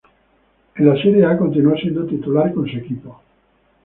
En la Serie A continuó siendo titular con su equipo.